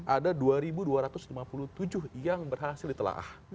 ada dua dua ratus lima puluh tujuh yang berhasil ditelaah